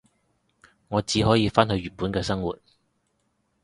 我只可以返去原本嘅生活